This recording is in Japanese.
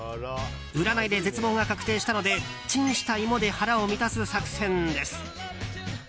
占いで絶望が確定したのでチンしたイモで腹を満たす作戦です。